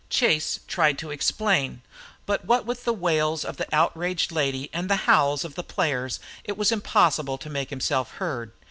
Chase tried to explain, but what with the wails of the outraged lady and the howls of the players it was impossible to make himself heard.